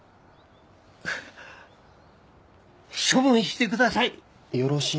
処分してください。